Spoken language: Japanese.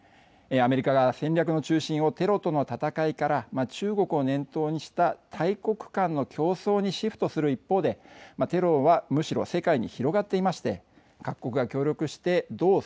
アメリカが戦略の中心をテロとの戦いから中国を念頭にした大国間の競争にシフトする一方でテロは、むしろ世界に広がっていまして各国が協力して「有田Ｐおもてなす」。